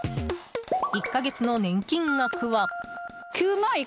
１か月の年金額は。